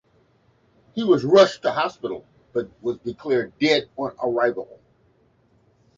He was rushed to hospital but was declared dead on arrival.